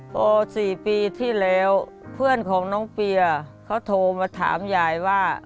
พอ๔ปีที่แล้วเพื่อนของน้องเปียเขาโทรมาถามยายว่า